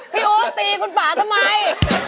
พี่อู๋ตีคุณฝาทำไม